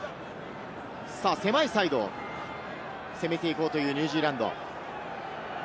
狭いサイドを攻めていこうというニュージーランド。